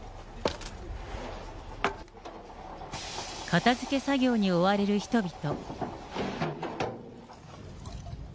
片づけ作業に追われる人々。